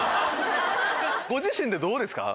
ご自身でどうですか？